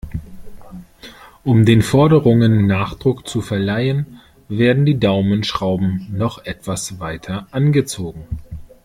Um den Forderungen Nachdruck zu verleihen, werden die Daumenschrauben noch etwas weiter angezogen.